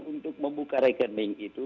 untuk membuka rekening itu